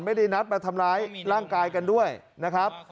ไม่ได้นัดมาทำร้ายร่างกายกันด้วยนะครับ